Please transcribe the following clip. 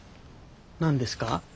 何ですか？